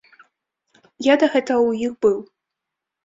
Я да гэтага ў іх быў.